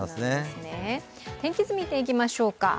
天気図、見ていきましょうか。